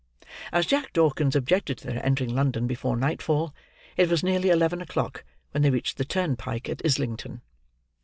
As John Dawkins objected to their entering London before nightfall, it was nearly eleven o'clock when they reached the turnpike at Islington.